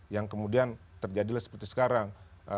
yang kemudian terjadilah seperti sekarang